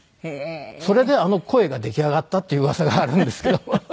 それであの声が出来上がったっていううわさがあるんですけど。